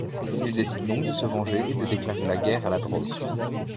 Il décide donc de se venger et de déclarer la guerre à la drogue.